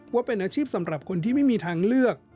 ว่าเป็นอาชีพสำหรับคนที่ไม่มีทางเลือก